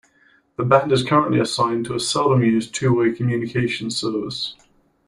This band is currently assigned to a seldom-used two-way communications service.